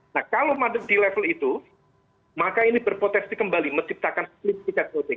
nah kalau di level itu maka ini berpotensi kembali menciptakan split ticket voting